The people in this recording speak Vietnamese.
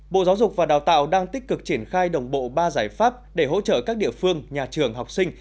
bộ giáo dục và đào tạo đang tích cực triển khai đồng bộ ba giải pháp để hỗ trợ các địa phương nhà trường học sinh